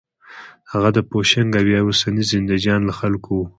هغه د پوشنګ او یا اوسني زندهجان له خلکو و.